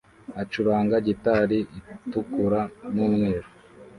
acuranga gitari itukura n'umweru